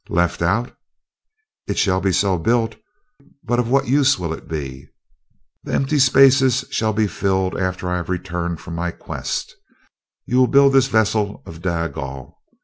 "Left out? It shall be so built but of what use will it be?" "The empty spaces shall be filled after I have returned from my quest. You will build this vessel of dagal.